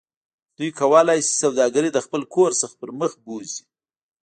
دوی کولی شي سوداګرۍ له خپل کور څخه پرمخ بوځي